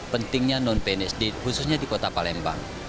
pentingnya non pnsd khususnya di kota palembang